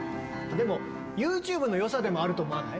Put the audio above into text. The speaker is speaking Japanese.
でもＹｏｕＴｕｂｅの良さでもあると思わない？